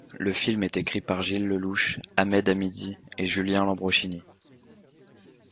Le film est écrit par Gilles Lellouche, Ahmed Hamidi et Julien Lambroschini.